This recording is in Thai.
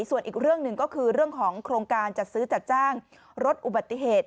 ส่วนอีกเรื่องหนึ่งก็คือเรื่องของโครงการจัดซื้อจัดจ้างรถอุบัติเหตุ